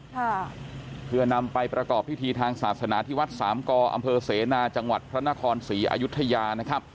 ค่ะเพื่อนำไปประกอบพิธีทางศาสนาที่วัดสามกออำเภอเสนาจังหวัดพระนครศรีอายุทยานะครับ